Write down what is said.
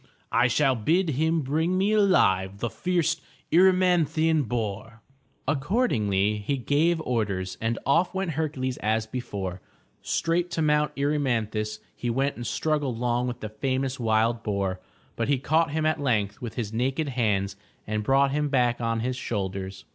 I shall bid him bring me alive the fierce Er y man'thi an boar.'' Accordingly he gave orders, and off went Hercules as before. Straight to Mt. Erymanthus he went and struggled long with the famous wild boar, but he caught him at length with his naked hands and brought him back on his shoulders.